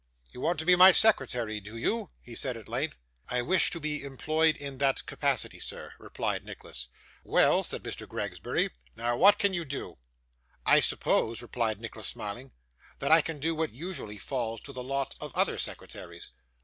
'You want to be my secretary, do you?' he said at length. 'I wish to be employed in that capacity, sir,' replied Nicholas. 'Well,' said Mr. Gregsbury; 'now what can you do?' 'I suppose,' replied Nicholas, smiling, 'that I can do what usually falls to the lot of other secretaries.